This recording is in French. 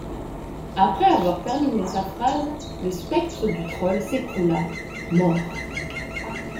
Après avoir terminé sa phrase, le Spectre du Troll s'écroula, mort.